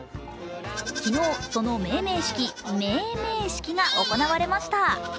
昨日、その命名式＝めぇめぇ式が行われました。